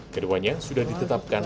keduanya sudah ditetapkan